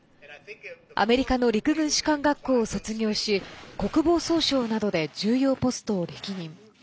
アメリカの陸軍士官学校を卒業し国防総省などで重要ポストを歴任。